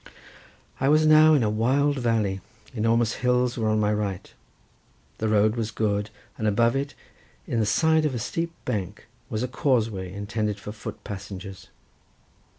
I was now in a wide valley—enormous hills were on my right. The road was good; and above it, in the side of a steep bank, was a causeway intended for foot passengers.